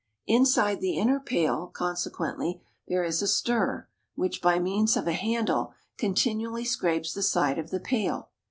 Inside the inner pail, consequently, there is a stirrer, which, by means of a handle, continually scrapes the side of the pail.